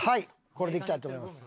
これでいきたいと思います。